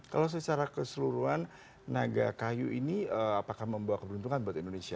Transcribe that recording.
kalau secara keseluruhan naga kayu ini apakah membawa keberuntungan buat indonesia